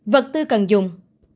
vật tư cần dùng